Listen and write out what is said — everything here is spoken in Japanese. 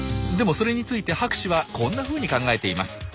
でもそれについて博士はこんなふうに考えています。